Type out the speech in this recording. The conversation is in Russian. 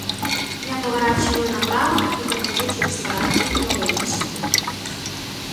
Я поворачиваю направо и прохожу через парадную на улицу.